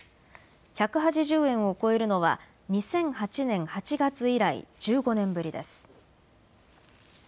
１８０円を超えるのは２００８年８月以来、１５年ぶりです。